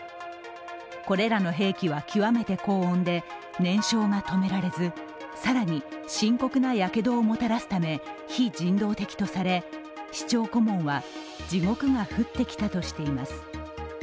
これらの兵器は極めて高温で燃焼が止められず更に深刻なやけどをもたらすため非人道的とされ、市長顧問は地獄が降ってきたとしています。